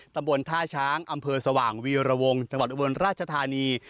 ตำบลท่าช้างอำเภอสว่างวีรวงจังหวัดอุบลราชธานี